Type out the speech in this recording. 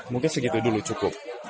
mungkin segitu dulu cukup